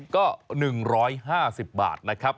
ก็๑๕๐บาทนะครับ